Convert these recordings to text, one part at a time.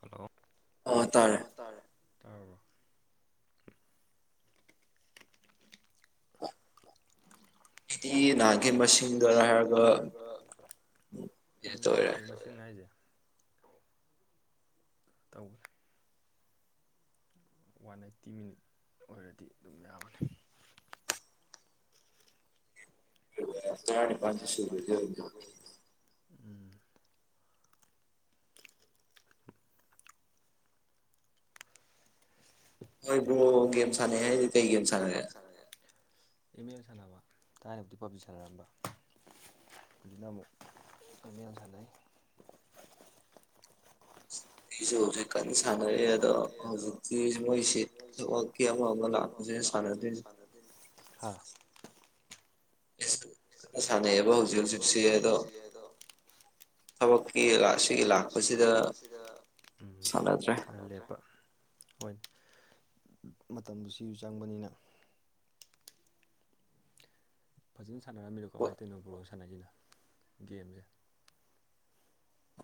Hello ꯇꯥꯔꯦ ꯇꯥꯔꯕꯣ [unintelligible] ꯑꯩꯗꯤ ꯅꯍꯒꯤ ꯃꯁꯤꯡꯗ ꯍꯥꯏꯔꯒ [unintelligible] ꯀꯩꯅꯣꯍꯏꯁꯦ ꯇꯧꯈ꯭ꯔꯦ ꯋꯥꯟ ꯑꯩꯠꯇꯤ ꯃꯤꯅꯤꯠ ꯑꯣꯏꯔꯗꯤ ꯑꯗꯨꯝ ꯌꯥꯕꯅꯦ [unintelligible] [unintelligible] ꯎꯝ ꯍꯣꯏ ꯕ꯭ꯔꯣ ꯒꯦꯝ ꯁꯥꯟꯅꯩ ꯍꯥꯏꯔꯤꯁꯦ ꯀꯩ ꯒꯦꯝ ꯁꯥꯟꯅꯒꯦ ꯇ ꯑꯦꯝ ꯑꯦꯜ ꯁꯥꯟꯅꯕ ꯊꯥꯏꯅꯕꯨꯤ ꯄꯕꯖꯤ ꯁꯥꯟꯅꯔꯝꯕ ꯍꯧꯖꯤꯛꯅ ꯑꯃꯨꯛ ꯀꯝ ꯑꯜ ꯁꯟꯏ ꯑꯩꯁꯨ ꯍꯧꯖꯤꯛꯀꯗꯤ ꯁꯥꯟꯅꯦ ꯑꯗꯣ ꯍꯧꯖꯤꯁꯨꯁꯤ ꯂꯥꯛꯄ ꯁꯥꯟꯅꯗꯦ ꯁꯥꯟꯅꯩꯑꯕ ꯍꯧꯖꯤꯛ ꯍꯧꯖꯤꯛꯁꯤ ꯑꯗꯣ ꯊꯕꯛꯀꯤ ꯑꯁꯤꯒꯤ ꯂꯥꯛꯄꯁꯤꯗ ꯈ꯭ꯔ ꯂꯦꯄ ꯍꯣꯏ ꯃꯇꯝꯗꯨ ꯁꯤꯁꯨ ꯆꯪꯕꯅꯤꯅ ꯐꯖꯅ ꯁꯥꯟꯅꯔꯝꯃꯤꯗꯣ ꯀꯃꯥꯏꯅ ꯇꯧꯅꯣ ꯕ꯭ꯔꯣ ꯁꯥꯟꯅꯁꯤꯅ ꯒꯦꯝꯁꯦ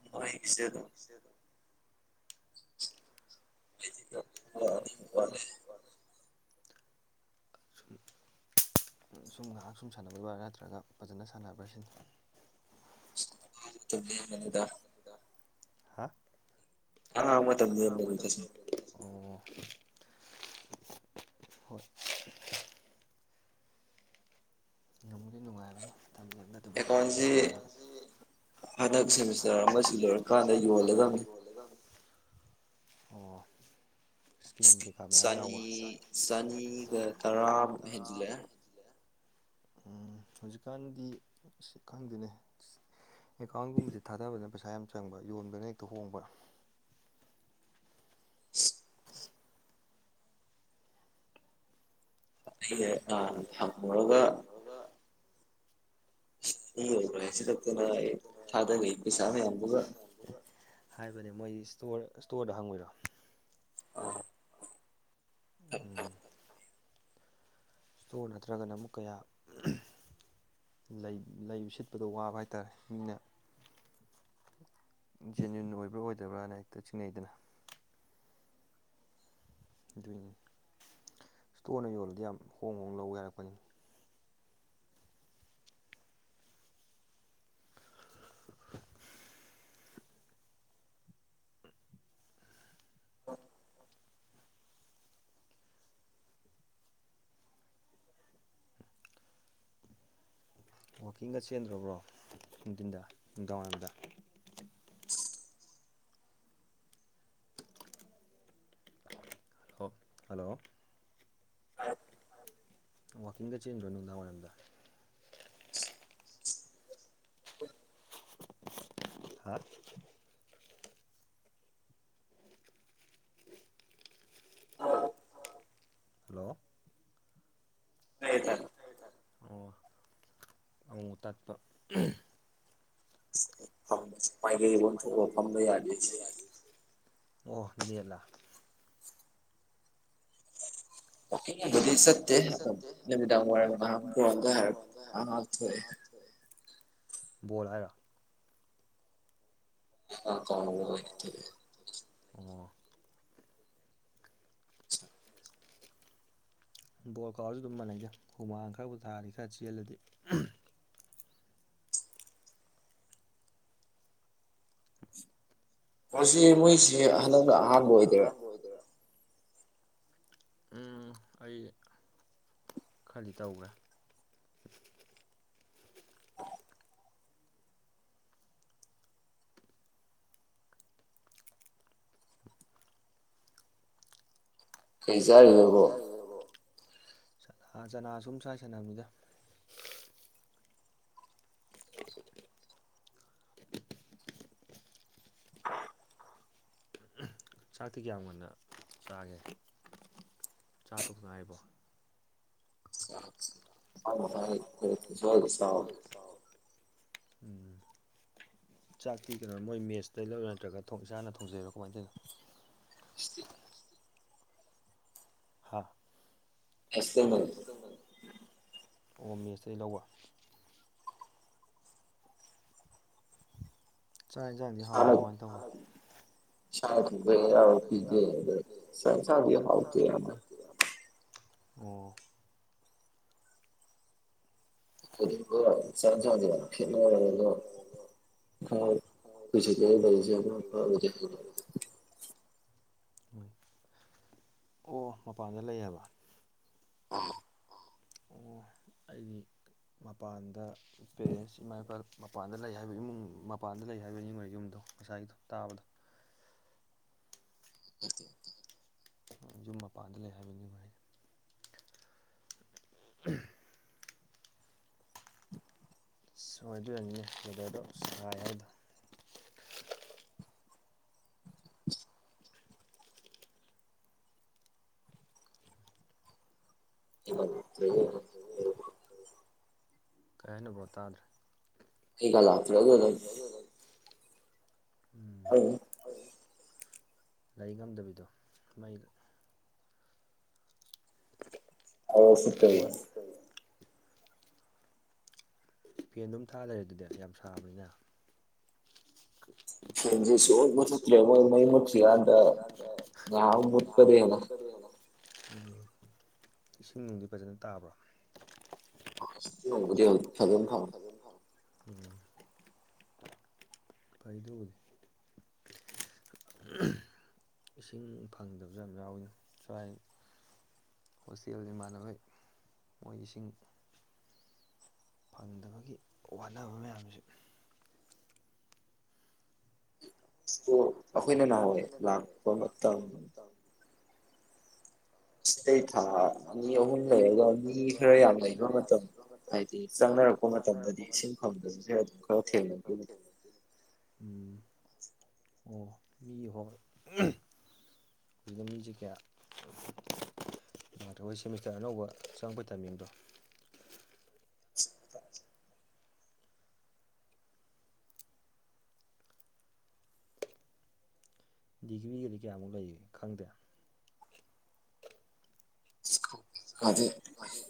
[unintelligible] [inaudible] ꯁꯨꯝ ꯁꯨꯝ ꯉꯥꯏꯍꯥꯛ ꯁꯨꯝ ꯁꯥꯟꯅꯕꯩ ꯋꯥꯔ ꯅꯠꯇ꯭ꯔꯒ ꯐꯖꯅ ꯁꯥꯟꯅꯕ꯭ꯔꯥꯁꯤꯅꯤ [unintelligible] ꯍꯥ [unintelligible] ꯅꯨꯡꯕꯨꯗꯤ ꯅꯨꯡꯉꯥꯏꯕꯅꯤ [unintelligible] ꯑꯦꯀꯥꯎꯟꯖꯤ ꯍꯟꯗꯛ ꯁꯦꯝꯃꯤꯁ [inaudible] ꯌꯣꯜꯂꯒ [unintelligible] ꯑꯣ ꯁ꯭ꯀꯤꯟꯒꯤ ꯃꯌꯥꯝ ꯌꯥꯎꯕ ꯆꯅꯤ ꯆꯅꯤꯒ ꯇꯔꯥꯃꯨꯛ ꯎꯝ ꯍꯧꯖꯤꯛꯀꯥꯟꯗꯤ ꯑꯁ ꯈꯪꯗꯦꯅꯦ ꯑꯦꯀꯥꯎꯟꯒꯨꯝꯕꯖꯦ ꯊꯥꯗꯕꯗꯅ ꯄꯩꯁꯥ ꯌꯥꯝ ꯆꯪꯕ ꯌꯣꯟꯕꯗꯅ ꯍꯦꯛꯇ ꯍꯣꯡꯕ ꯑꯩꯅ [unintelligible] ꯍꯪꯉꯨꯔꯒ [unintelligible] [unintelligible] ꯍꯥꯏꯕꯅꯦ ꯃꯣꯏꯒꯤ ꯏꯁꯇꯣꯔ ꯏꯁ꯭ꯇꯣꯔꯗ ꯍꯪꯉꯨꯏꯔꯣ [unintelligible] ꯎꯝ ꯏꯁꯇꯣꯔ ꯅꯠꯇ꯭ꯔꯒꯅ ꯑꯃꯨꯛ ꯀꯌꯥ ꯂꯩ ꯂꯩ ꯁꯤꯠꯄꯗꯣ ꯋꯥꯕ ꯍꯥꯏꯇꯥꯔꯦ ꯃꯤꯅ ꯖꯦꯅ꯭ꯋꯨꯤꯟ ꯑꯣꯏꯕ꯭ꯔꯥ ꯑꯣꯏꯗꯕ꯭ꯔꯥꯅ ꯍꯦꯛꯇ ꯆꯤꯡꯅꯩꯗꯅ ꯑꯗꯨꯏꯅꯤ ꯏꯁꯇꯣꯔꯅ ꯌꯣꯜꯂꯗꯤ ꯌꯥꯝ ꯍꯣꯡ ꯍꯣꯡ ꯂꯧꯒꯦ ꯍꯥꯏꯔꯛꯄꯅꯤ ꯋꯥꯛꯀꯤꯡꯒ ꯆꯦꯟꯗ꯭ꯔꯕ꯭ꯔꯣ ꯅꯨꯡꯊꯤꯟꯗ ꯅꯨꯡꯗꯥꯋꯥꯏꯔꯝꯗ ꯍꫭ ꯍꯜꯂꯣ [unintelligible] ꯋꯥꯛꯀꯤꯡꯒ ꯆꯦꯟꯗ꯭ꯔꯣ ꯅꯨꯡꯗꯥꯡ ꯋꯥꯏꯔꯝꯗ [unintelligible] ꯍꯥ [unintelligible] ꯍꯜꯂꯣ ꯇꯥꯏꯌꯦ ꯇꯥꯏ ꯑꯃꯨꯛ ꯇꯠꯄ [unintelligible] [unintelligible] ꯃꯥꯏꯒꯩ ꯑꯣꯟꯊꯣꯛ ꯑꯒ ꯐꯝꯕ ꯌꯥꯗꯦ ꯑꯣ ꯅꯦꯠꯂ ꯋꯛꯀꯤꯡ [inaudible] ꯆꯥꯠ ꯑꯗꯨꯗꯤ ꯆꯠꯇꯦ ꯅꯨꯃꯤꯗꯥꯡꯋꯥꯏꯔꯝ ꯉꯥꯏꯍꯛ [unintelligible] ꯉꯥꯏꯍꯛ ꯉꯥꯏꯍꯛ ꯊꯣꯛꯑꯦ ꯕꫭꯜ ꯍꯥꯏꯔꫭ [unintelligible] [unintelligible] ꯑꯣ ꯕꯣꯜ ꯀꯥꯎꯔꯖꯨ ꯑꯗꯨꯝ ꯃꯥꯟꯅꯩꯗ ꯍꯨꯃꯥꯡ ꯈꯔꯕꯨ ꯇꯥꯔꯗꯤ ꯈꯔ ꯆꯦꯜꯂꯗꯤ ꯀꯣ ꯁꯤ ꯃꯣꯏꯁꯤ ꯍꯟꯗꯛꯅ ꯑꯍꯥꯟꯕ ꯑꯣꯏꯗꯣꯏꯔꯥ ꯑꯣꯏꯗ꯭ꯣꯏꯔ ꯎꯝ ꯑꯩ ꯈꯔꯗꯤ ꯇꯧꯒ꯭ꯔꯦ ꯀꯩꯆꯥꯔꯤ ꯀꯩ ꯆꯥꯔꯤꯒꯦ ꯕ꯭ꯔꯣ ꯆꯅꯥ ꯁꯨꯝ ꯁꯥꯏ ꯁꯥꯟꯅꯕꯅꯤꯗ ꯆꯥꯛꯇꯤ ꯀꯌꯥꯝ ꯉꯟꯅ ꯆꯥꯒꯦ ꯆꯥ ꯇꯣꯛꯄꯗ ꯉꯥꯏꯕꫭ [unintelligible] [inaudible] ꯎꯝ ꯆꯥꯛꯇꯤ ꯀꯩꯅꯣ ꯃꯣꯏ ꯃꯦꯠꯁꯇ ꯂꯧꯔꯣ ꯅꯠꯇ꯭ꯔꯒ ꯏꯁꯥꯅ ꯊꯣꯡꯖꯩꯔꯣ ꯀꯃꯥꯏꯅ ꯇꯧꯔꯤꯅꯣ ꯍꯥ [unintelligible] [unintelligible] ꯑꯣ ꯃꯦꯁꯇꯩ ꯂꯧꯕ ꯆꯥꯛ ꯌꯦꯟꯁꯥꯡꯖꯦ ꯍꯥꯎꯕ꯭ꯔꯣ ꯀꯨꯃꯥꯏꯅ ꯇꯧꯒꯦ ꯁꯥ [unintelligible] ꯍꯥꯎꯇꯦ ꯌꯥꯝꯅ ꯑꯣ [unintelligible] [inaudible] [inaudible] ꯑꯣ ꯃꯄꯥꯟꯗ ꯂꯩꯌꯦꯕ ꯑꫭ ꯑꯩꯒꯤ ꯃꯄꯥꯟꯗ ꯄꯦꯔꯦꯟꯁ ꯏꯃꯥ ꯏꯄꯥ ꯃꯄꯥꯟꯗ ꯂꯩ ꯍꯥꯏꯕ ꯏꯃꯨꯡ ꯃꯄꯥꯟꯗ ꯂꯩ ꯍꯥꯏꯕ ꯌꯨꯝꯗꯣ ꯉꯁꯥꯏꯒꯤꯗꯣ ꯇꯥꯕꯗꯣ ꯅꯠꯇꯦ ꯌꯨꯝ ꯃꯄꯥꯟꯗ ꯂꯩ ꯍꯥꯏꯕꯅꯤ ꯁꯣꯏꯗꯣꯏꯑꯣꯔꯝꯅꯤꯅꯦ ꯁꯤꯗꯗꯣ ꯁꯥꯏ ꯍꯥꯏꯕꯗꯣ [unintelligible] [inaudible] ꯀꯥꯏ ꯍꯥꯏꯅꯣ ꯕ꯭ꯔꯣ ꯇꯥꯗ꯭ꯔꯦ [unintelligible] ꯎꯝ [unintelligible] ꯂꯩ ꯉꯝꯗꯕꯤꯗꯣ ꯃꯩ ꯍꯧꯔꯁꯨꯞꯄꯒꯤ ꯐꯦꯟ ꯑꯗꯨꯝ ꯊꯥ ꯂꯩꯔꯦ ꯑꯗꯨꯗꯤ ꯌꯥꯝ ꯁꯥꯕꯅꯤꯅ ꯐꯣꯟꯖꯨ [unintelligible] ꯃꯩ ꯃꯨꯠꯔꯤꯀꯥꯟꯗ ꯉꯥꯏꯍꯛ ꯃꯨꯠꯄꯗꯒꯤ ꯍꯦꯟꯅ ꯎꯝ ꯏꯁꯤꯡ ꯅꯨꯡꯗꯤ ꯐꯖꯅ ꯇꯥꯕ꯭ꯔꯥ [unintelligible] [unintelligible] ꯎꯝ ꯐꯩꯏꯗ ꯎꯝ ꯍꯝ ꯏꯁꯤꯡ ꯐꯪꯗꯕꯁꯨ ꯌꯥꯝ ꯌꯥꯎꯋꯤꯅꯦ ꯁ꯭ꯋꯥꯏ ꯍꯣꯁꯇꯦꯜ ꯏꯃꯥꯟꯅꯕꯩ ꯃꯣꯏ ꯏꯁꯤꯡ ꯐꯪꯗꯕꯒꯤ ꯋꯥꯅꯕ ꯃꯌꯥꯝꯁꯤ ꯏꯁꯄꯣꯔ ꯑꯈꯣꯏꯅ ꯅꯍꯥꯟꯋꯥꯏ ꯂꯥꯛꯄ ꯃꯇꯝ ꯁꯤꯇꯩ ꯊꯥ ꯃꯤ ꯑꯍꯨꯝ ꯂꯩꯔꯒ ꯃꯤ ꯈꯔ ꯌꯥꯝ ꯂꯩꯕ ꯃꯇꯝ ꯍꯥꯏꯗꯤ ꯆꯪꯅꯔꯛꯄ ꯃꯇꯝꯗꯗꯤ ꯏꯁꯤꯡ ꯐꯪꯗꯔꯦꯁꯦ ꯑꯗꯨꯝ ꯈꯔ ꯊꯦꯡꯅꯩꯈꯤꯅꯤ ꯎꯝ ꯑꯣ ꯃꯤ ꯍꯣꯏ ꯎꯝ [unintelligible] ꯀꯌꯥ ꯇꯈꯣꯏ ꯁꯦꯃꯤꯁꯇꯔ ꯑꯅꯧꯕ ꯆꯪꯉꯛꯄꯩ ꯇꯥꯏꯃꯤꯡꯗꯣ ꯗꯤꯒ꯭ꯔꯤꯒꯗꯤ ꯀꯌꯥꯃꯨꯛ ꯂꯩꯔꯤ ꯈꯪꯗꯦ ꯑꯗꯤ ꯍꯖꯤꯛ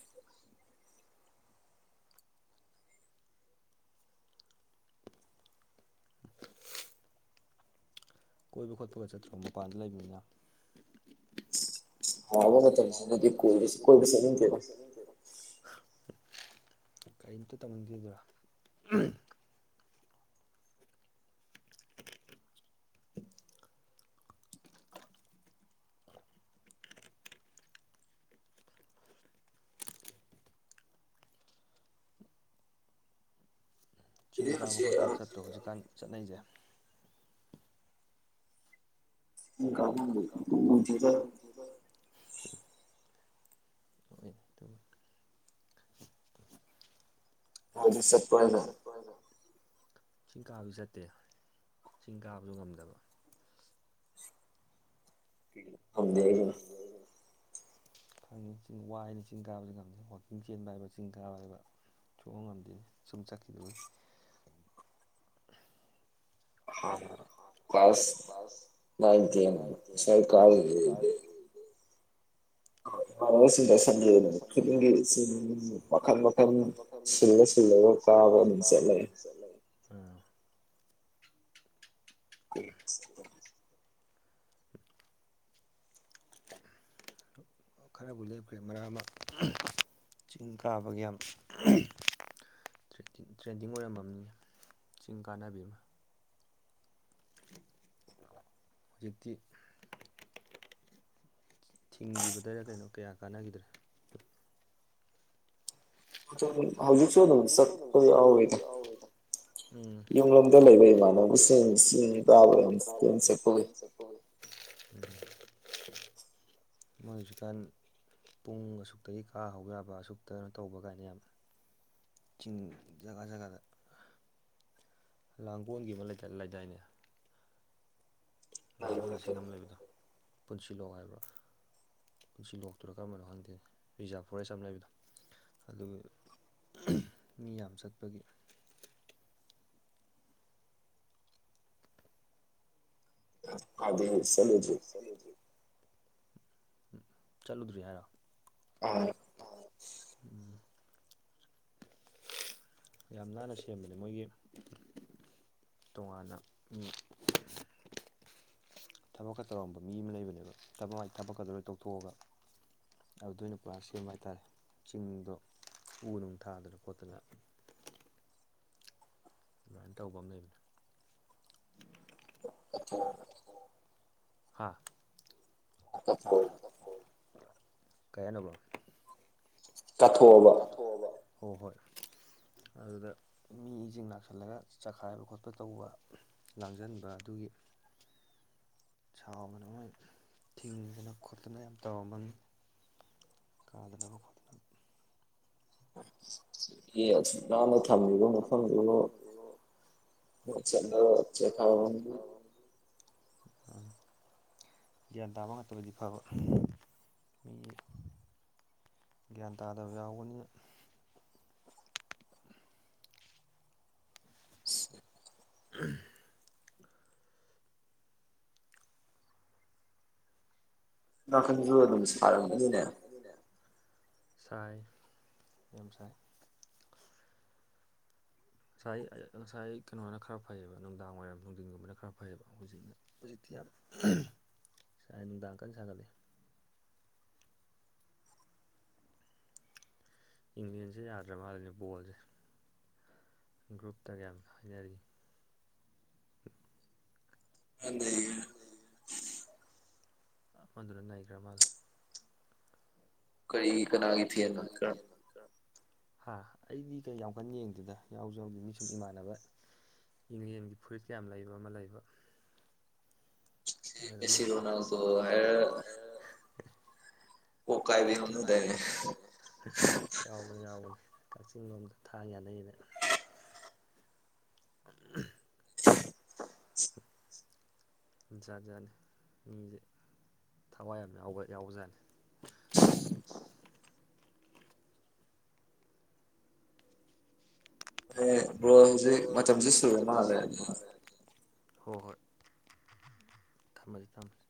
[unintelligible] ꯀꯣꯏꯕ ꯈꯣꯠꯄꯒ ꯆꯠꯇ꯭ꯔꯣ ꯃꯄꯥꯟꯗ ꯂꯩꯕꯅꯤꯅ ꯁꯥꯕ ꯃꯇꯝ ꯁꯤꯗꯗꯤ ꯀꯣꯕ ꯀꯣꯏꯕ ꯆꯠꯅꯤꯡꯇꯦꯗꯥ ꯀꯩꯝꯇ ꯇꯧꯅꯤꯡꯗꯦꯗꯨꯔꯥ ꯆꯤꯡ ꯀꯥꯕ ꯈꯣꯠꯄꯗ ꯆꯠꯇ꯭ꯔꯣ ꯍꯧꯖꯤꯛꯀꯥꯟ ꯆꯠꯅꯩꯁꯦ ꯆꯤꯡ ꯀꯥꯕꯉꯝꯗꯦ [unintelligible] ꯍꯣꯏꯅꯦ ꯑꯗꯨꯝ [unintelligible] ꯈꯣꯡꯅ ꯆꯠꯄ ꯍꯥꯏꯔꯒ ꯆꯤꯡ ꯀꯥꯕꯁꯨ ꯆꯠꯇꯦ ꯆꯤꯡ ꯀꯥꯕꯗꯨ ꯉꯝꯗꯕ ꯉꯝꯗꯦ ꯈꯪꯉꯤ ꯆꯤꯡ ꯋꯥꯏꯅ ꯆꯤꯡ ꯀꯥꯕꯁꯨ ꯉꯝꯗꯦ ꯋꯥꯛꯀꯤꯡ ꯆꯦꯟꯕ ꯍꯥꯏꯕ ꯆꯤꯡ ꯀꯥꯕ ꯍꯥꯏꯕ ꯁꯨꯉꯝ ꯉꯝꯗꯦ ꯁꯨꯝ ꯆꯠꯈꯤꯗꯕꯒꯤ ꯍ ꯀ꯭ꯂꯥꯁ ꯅꯥꯏꯟ ꯇꯦꯟ ꯁꯤꯋꯥꯏ ꯀꯥꯕꯒꯤꯗꯤ [inaudible] ꯗ ꯁꯟꯗ ꯈꯨꯗꯤꯡꯒꯤ ꯃꯈꯜ ꯃꯈꯜ ꯁꯤꯜꯂ ꯁꯤꯜꯂꯒ ꯀꯥꯕ ꯑꯃꯨꯛ ꯆꯠꯂꯦ [inaudible] ꯈꯔꯕꯨ ꯂꯦꯞꯈ꯭ꯔꯦ ꯃꯔꯛ ꯑꯃ ꯆꯤꯡ ꯀꯥꯕꯒ ꯌꯥꯝ ꯇ꯭ꯔꯦꯗꯤꯡ ꯇ꯭ꯔꯦꯟꯗꯤꯡ ꯑꯣꯏꯔꯝꯃꯝꯅꯤ ꯆꯤꯡ ꯀꯥꯟꯅꯕꯤ ꯑꯃ ꯍꯧꯖꯤꯛꯇꯤ ꯊꯤꯡꯒꯤꯕꯗꯩꯔ ꯀꯩꯅꯣ ꯀꯌꯥ ꯀꯥꯟꯅꯒꯤꯗ꯭ꯔꯦ ꯈꯨꯠꯇꯥ ꯃꯨꯏ ꯍꯧꯖꯤꯛꯁꯨ ꯑꯗꯨꯝ ꯆꯠꯄ ꯌꯥꯎꯏꯗ ꯎꯝ ꯅꯤꯌꯨꯔꯣꯛꯇ ꯂꯩꯕ ꯏꯃꯥꯟꯅꯕ ꯁꯤꯡ [unintelligible] [unintelligible] ꯎꯝ ꯃꯥꯏꯁꯨ ꯀꯟ ꯄꯨꯡ ꯑꯁꯨꯛꯇꯒꯤ ꯀꯥ ꯍꯧꯕ ꯌꯥꯕ ꯑꯁꯨꯛꯇꯅ ꯇꯧꯕ ꯀꯥꯏꯅ ꯌꯥꯝ ꯆꯤꯡ ꯖꯒꯥ ꯖꯒꯥꯗ ꯂꯥꯡꯒꯣꯜꯒꯤ ꯑꯃ ꯂꯩꯠ ꯂꯩꯗꯥꯏꯅꯦ ꯂꯥꯡꯒꯣꯟꯗ ꯆꯤꯡ ꯑꯝ ꯂꯩꯕꯗꯣ ꯄꯨꯟꯁꯤꯂꯣꯛ ꯍꯥꯏꯕ꯭ꯔꯤ ꯄꯨꯟꯁꯤ ꯂꯣꯛꯇꯔꯥ ꯀꯔꯝꯕꯅꯣ ꯈꯪꯗꯦ ꯔꯤꯖꯥꯕ ꯐꯣꯔꯦꯁ ꯑꯃ ꯂꯩꯕꯗꯣ ꯑꯗꯨ ꯎꯝꯍ ꯃꯤ ꯌꯥꯝ ꯆꯠꯄꯒꯤ ꯑꯥꯏꯗꯤ ꯆꯂꯨꯗ꯭ꯔꯤ ꯆꯠꯂꯨꯗ꯭ꯔꯤ ꯆꯠꯂꯨꯗ꯭ꯔꯤ ꯍꯥꯏꯔꯣ ꯑꯥ ꯑꯥꯞ ꯎꯝ ꯌꯥꯝ ꯅꯥꯟꯅ ꯁꯦꯝꯕꯅꯦ ꯃꯣꯏꯒꯤ ꯇꯣꯉꯥꯟꯅ ꯃꯤ ꯊꯕꯛꯀ ꯇꯧꯔꯝꯕ ꯃꯤ ꯑꯃ ꯂꯩꯕꯅꯦꯕ ꯊꯕꯛ ꯀꯥꯗꯨ ꯂꯣꯏ ꯇꯧꯊꯣꯛꯑꯒ ꯑꯗꯨꯏ ꯅꯨꯄꯥ ꯁꯦꯝꯕ ꯍꯥꯏꯇꯥꯔꯦ ꯆꯤꯡꯗꯣ ꯎ ꯅꯨꯡ ꯊꯥꯗꯅ ꯈꯣꯠꯇꯅ ꯑꯗꯨꯃꯥꯏꯅ ꯇꯧꯕ ꯑꯝ ꯂꯩꯕꯗꯨ ꯑꯣ ꯍꯥꯥ ꯑꯈꯣꯏ ꯑꯣ ꯍꯣ ꯀꯩꯩ ꯍꯥꯢꯅꯣꯕ ꯇꯥꯊꯣꯛꯑꯣꯕ ꯊꯣꯑꯣꯕ ꯍꯣ ꯍꯣꯏ ꯑꯗꯨꯗ ꯃꯤꯁꯤꯡ ꯂꯥꯛꯁꯜꯂꯒ ꯆꯈꯥꯏꯕ ꯈꯣꯠꯄ ꯇꯧꯕ ꯂꯥꯡꯖꯟꯕ ꯑꯗꯨꯒꯤ [unintelligible] ꯁꯥꯎꯕꯅ ꯃꯣꯏ ꯊꯤꯡꯗꯅ ꯈꯣꯠꯇꯅ ꯌꯥꯝ ꯇꯧꯔꯝꯕꯅꯤ ꯀꯥꯗꯅꯕ ꯈꯣꯠꯇꯅꯕ [inaudible] ꯃꯤ ꯑꯁꯨꯛ ꯅꯥꯅ ꯊꯝꯃꯤꯕ ꯃꯐꯝꯗꯨꯕꯨ ꯆꯠꯂꯔꯣꯏ ꯆꯦ ꯊꯥꯕꯝꯒꯤ ꯍꯥ ꯒ꯭ꯌꯥꯟ ꯇꯥꯕ ꯉꯥꯛꯇ ꯑꯣꯏꯗꯤ ꯐꯕ ꯃꯤ ꯒ꯭ꯌꯥꯟ ꯇꯥꯗꯕ ꯌꯥꯎꯕꯅꯤꯅ ꯎꯝꯍ ꯅꯥꯈꯟꯁꯨ ꯑꯗꯨꯝ ꯁꯥꯔꯝꯒꯅꯤꯅꯦ ꯁꯥꯏ ꯌꯥꯝ ꯁꯥꯏ ꯉꯁꯥꯏ ꯉꯁꯥꯏ ꯀꯩꯅꯣꯅ ꯈꯔ ꯐꯩꯌꯦꯕ ꯅꯨꯡꯗꯥꯡꯔꯝ ꯅꯨꯡꯊꯤꯟꯒꯨꯝꯕꯅ ꯈꯔ ꯐꯩꯌꯦꯕ ꯍꯧꯖꯤꯛꯅ ꯍꯧꯖꯤꯛꯇꯤ ꯌꯥꯝ ꯎꯍꯝ ꯁꯥꯏ ꯅꯨꯡꯗꯥꯡ ꯀꯟꯅ ꯁꯥꯒꯠꯂꯦ ꯏꯪꯂꯦꯟꯁꯦ ꯌꯥꯗ꯭ꯔ ꯃꯥꯂꯅꯦ ꯕꯣꯜꯁꯦ ꯒ꯭ꯔꯨꯞꯇꯒ ꯌꯥꯝ ꯍꯥꯏꯅꯔꯤ꯫ [unintelligible] [unintelligible] ꯑꯥꯃꯗꯨꯅ ꯅꯥꯏꯈ꯭ꯔ ꯃꯥꯜꯂꯦ꯫ ꯀꯔꯤ ꯀꯅꯥꯒꯤ ꯐꯦꯟꯔꯥ ꯈꯔ ꯍꯥ ꯑꯩꯗꯤ ꯀꯩ ꯌꯥꯝ ꯀꯟꯅ ꯌꯦꯡꯗꯦꯗ ꯌꯥꯎꯁꯨ ꯌꯥꯎꯗꯦ ꯃꯤ ꯁꯨꯝ ꯏꯃꯥꯟꯅꯕ ꯌꯦꯡꯂꯦꯅꯒꯤ ꯐꯨꯔꯤꯁ ꯀꯌꯥꯝ ꯂꯩꯕ ꯑꯃ ꯂꯩꯕ꯫ ꯑꯉꯣꯟꯗ ꯃꯣꯏ ꯁꯨ ꯁꯤ ꯔꯣꯅꯥꯜꯗꯣ ꯀꯣꯡꯒꯥꯏꯕꯤ ꯍꯧꯅꯗꯅꯦ꯫ ꯌꯥꯎꯕ ꯌꯥꯎꯕꯅꯤ ꯀꯛꯆꯤꯡ ꯂꯣꯝꯗ ꯊꯥꯡ ꯌꯥꯅꯩꯅ ꯑꯍꯝ ꯖꯥꯠ ꯖꯥꯠꯅꯦ ꯃꯤꯁꯦ꯫ ꯊꯋꯥꯏ ꯌꯥꯝ ꯌꯥꯎꯕ ꯌꯥꯎꯖꯅꯤ꯫ [unintelligible] ꯃꯣꯏ ꯕꯔꯣꯖꯤ ꯃꯇꯝꯁꯨ ꯁꯨꯔꯃꯥꯜꯂꯦ ꯑꯗꯤ ꯍꯣ ꯍꯣꯏ ꯊꯝꯃꯒꯦ ꯊꯝꯃꯒꯦ꯫